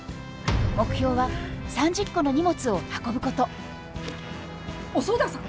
目標は３０個の荷物を運ぶこと遅田さん？